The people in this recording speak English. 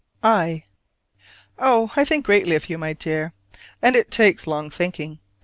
I. Oh, I think greatly of you, my dear; and it takes long thinking.